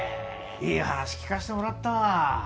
いい話聞かせてもらったわ